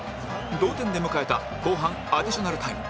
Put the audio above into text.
同点で迎えた後半アディショナルタイム